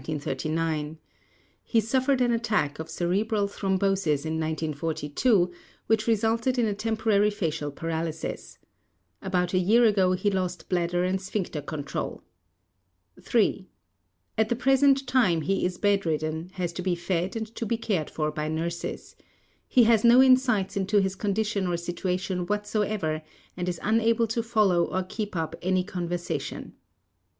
He suffered an attack of cerebral thrombosis in 1942, which resulted in a temporary facial paralysis. About a year ago he lost bladder and sphincter control. 3. At the present time he is bedridden, has to be fed and to be cared for by nurses. He has no insight into his condition or situation whatsoever and is unable to follow or keep up any conversation.